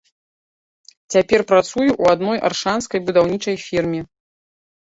Цяпер працую ў адной аршанскай будаўнічай фірме.